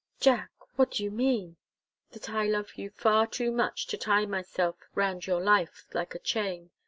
"Jack what do you mean?" "That I love you far too much to tie myself round your life, like a chain.